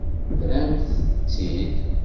Rremt-t-id!